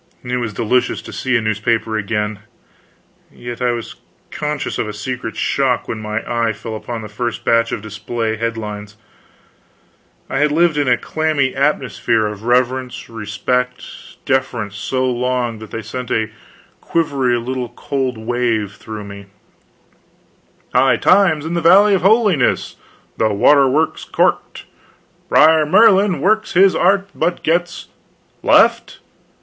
It was delicious to see a newspaper again, yet I was conscious of a secret shock when my eye fell upon the first batch of display head lines. I had lived in a clammy atmosphere of reverence, respect, deference, so long that they sent a quivery little cold wave through me: HIGH TIMES IN THE VALLEY OF HOLINESS! THE WATER WORKS CORKED! BRER MERLIN WORKS HIS ARTS, BUT GETS LEFT?